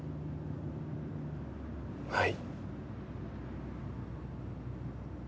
はい。